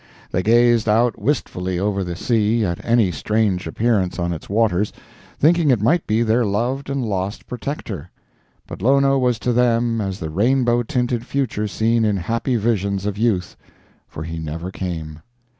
They gazed out wistfully over the sea at any strange appearance on its waters, thinking it might be their loved and lost protector. But Lono was to them as the rainbow tinted future seen in happy visions of youth—for he never came.